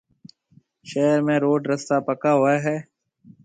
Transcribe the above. شهر ۾ روڊ رستا پَڪا هوئي هيَ۔